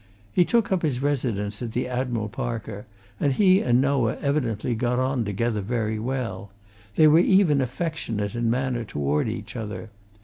He took up his residence at the Admiral Parker, and he and Noah evidently got on together very well: they were even affectionate in manner toward each other.